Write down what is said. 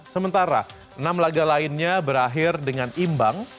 sementara enam laga lainnya berakhir dengan imbang